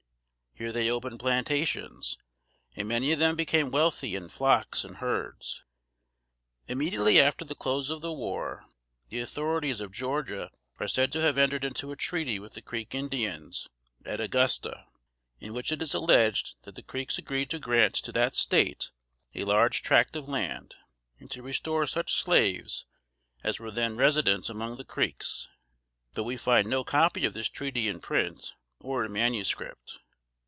Here they opened plantations, and many of them became wealthy in flocks and herds. [Sidenote: 1783.] Immediately after the close of the war, the authorities of Georgia are said to have entered into a treaty with the Creek Indians, at Augusta, in which it is alleged that the Creeks agreed to grant to that State a large tract of land, and to restore such slaves as were then resident among the Creeks. But we find no copy of this treaty in print, or in manuscript.